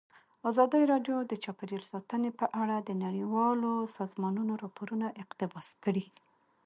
ازادي راډیو د چاپیریال ساتنه په اړه د نړیوالو سازمانونو راپورونه اقتباس کړي.